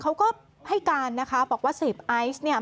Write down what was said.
เขาก็ให้การนะคะว่าเสียบไอซ์เนี่ง